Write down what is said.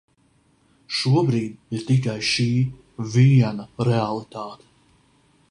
Šobrīd ir tikai šī, viena realitāte.